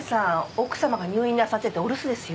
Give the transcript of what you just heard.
奥さまが入院なさっててお留守ですよ。